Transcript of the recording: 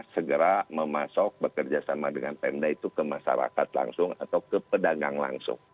segera memasok bekerja sama dengan pemda itu ke masyarakat langsung atau ke pedagang langsung